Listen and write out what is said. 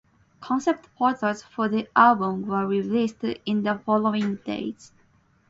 Concept photos for the album were released in the following days.